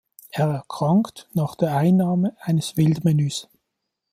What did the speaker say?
Er erkrankt nach der Einnahme eines Wildmenüs.